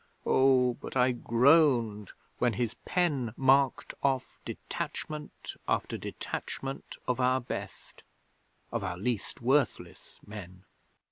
Oh, but I groaned when his pen marked off detachment after detachment of our best of our least worthless men!